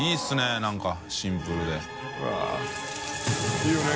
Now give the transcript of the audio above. いいよね